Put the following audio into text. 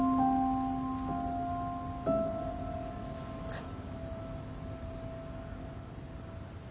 はい。